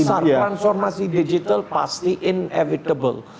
akan ada perubahan transformasi digital pasti inevitable